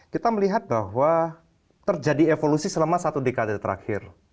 kita melihat bahwa terjadi evolusi selama satu dekade terakhir